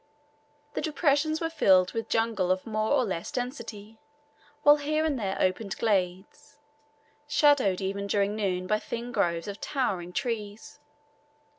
The depressions were filled with jungle of more or less density, while here and there opened glades, shadowed even during noon by thin groves of towering trees.